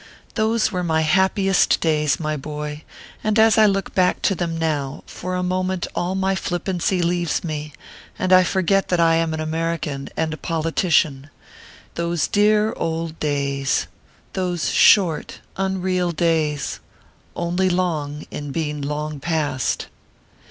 Those were my happiest days, my boy ; and as I look back to them now, for a moment all my flip pancy leaves me, and 1 forget that I am an American and a politician. Those dear old days ! those short, unreal days ! Only long in being long past.